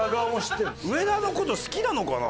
上田の事好きなのかな？